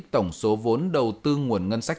tổng số vốn đầu tư nguồn ngân sách